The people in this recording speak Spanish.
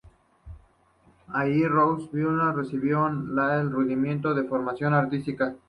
Allí, Roussel y Vuillard recibieron los rudimentos de formación artística.